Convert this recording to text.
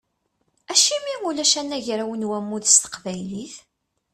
Acimi ulac anagraw n wammud s teqbaylit?